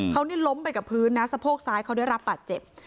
เขานี่ล้มไปกับพื้นนะสะโพกซ้ายเขาได้รับบาดเจ็บ